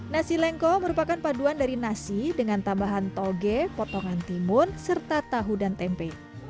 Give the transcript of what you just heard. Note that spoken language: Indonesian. nasi lengko merupakan paduan dari nasi dengan tambahan toge potongan timun serta tahu dan tempe